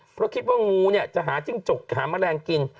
เพราะคิดว่างูเนี่ยจะหาจิ้งจกหาแมลงกิน